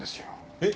えっ？